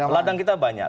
ladang kita banyak